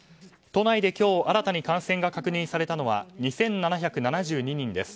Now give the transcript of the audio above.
都内で今日新たに感染が確認されたのは２７７２人です。